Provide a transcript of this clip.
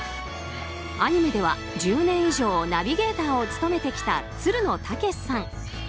アニメでは１０年以上ナビゲーターを務めてきたつるの剛士さん。